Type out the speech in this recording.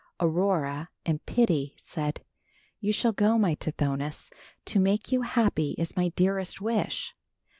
Aurora in pity said, "you shall go, my Tithonus. To make you happy is my dearest wish.